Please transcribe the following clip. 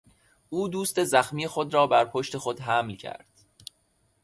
او دوست زخمی خود را بر پشت خود حمل کرد.